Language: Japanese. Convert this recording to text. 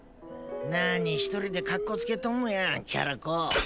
何一人でかっこつけとんのやキャラ公。